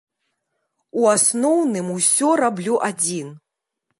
У асноўным ўсё раблю адзін.